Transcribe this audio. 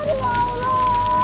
aku tidak bersalah